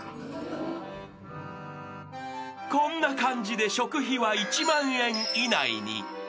［こんな感じで食費は１万円以内に］